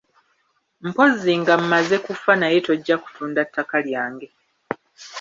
Mpozzi nga mmaze kufa naye tojja kutunda ttaka lyange.